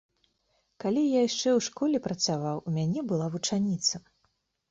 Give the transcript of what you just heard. Калі я яшчэ ў школе працаваў, у мяне была вучаніца.